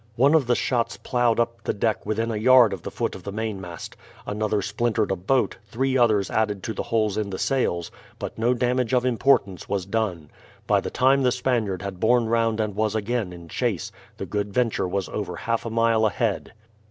One of the shots ploughed up the deck within a yard of the foot of the mainmast, another splintered a boat, three others added to the holes in the sails, but no damage of importance was done. By the time the Spaniard had borne round and was again in chase, the Good Venture was over half a mile ahead.